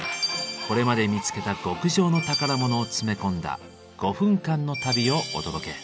これまで見つけた極上の宝物を詰め込んだ５分間の旅をお届け。